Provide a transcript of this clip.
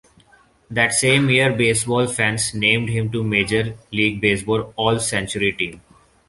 That same year, baseball fans named him to the Major League Baseball All-Century Team.